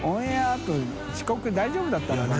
あと遅刻大丈夫だったのかな？